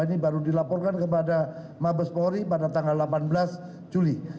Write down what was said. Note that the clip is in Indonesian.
ini baru dilaporkan kepada mabes polri pada tanggal delapan belas juli